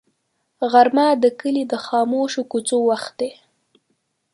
غرمه د کلي د خاموشو کوڅو وخت دی